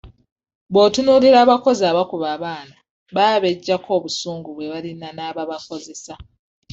Bw'otunuulira abakozi abakuba abaana baba beggyako busungu bwe balina n'ababakozesa.